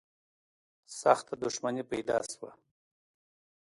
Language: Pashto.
سخته دښمني پیدا شوه